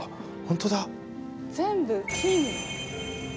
全部金で。